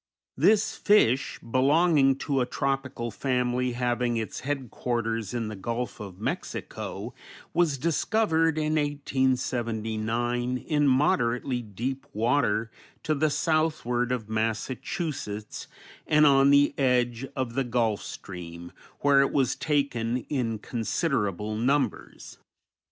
This fish, belonging to a tropical family having its headquarters in the Gulf of Mexico, was discovered in 1879 in moderately deep water to the southward of Massachusetts and on the edge of the Gulf Stream, where it was taken in considerable numbers.